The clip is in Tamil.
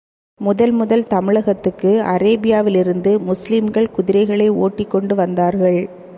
முதல் முதல் தமிழகத்துக்கு அரேபியாவிலிருந்து முஸ்லிம்கள் குதிரைகளை ஓட்டிக் கொண்டு வந்தார்கள்.